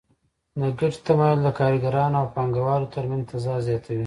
د ګټې تمایل د کارګرانو او پانګوالو ترمنځ تضاد زیاتوي